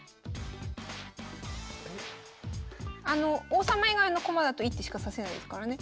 王様以外の駒だと１手しか指せないですからね。